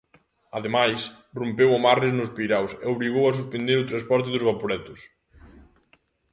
Ademais, rompeu amarres nos peiraos e obrigou a suspender o transporte dos vaporetos.